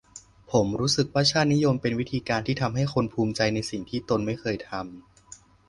ผมรู้สึกว่าชาตินิยมเป็นวิธีการที่ทำให้คนภูมิใจในสิ่งที่ตนไม่เคยทำ